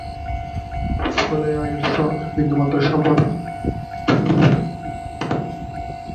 ফলে আয়ের বিন্দুমাত্র স্বল্পতা ঘটিলে লক্ষ লক্ষ লোক মৃত্যুমুখে পতিত হয়।